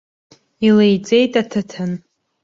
Илеиҵеит аҭаҭын.